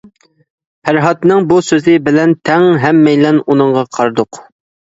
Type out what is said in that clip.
پەرھاتنىڭ بۇ سۆزى بىلەن تەڭ ھەممەيلەن ئۇنىڭغا قارىدۇق.